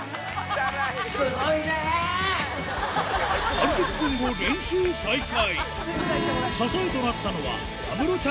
３０分後練習再開